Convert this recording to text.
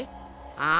ああ？